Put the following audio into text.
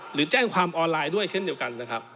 หรือแจ้งความออนไลน์ด้วยเช่นเดียวกันนะครับ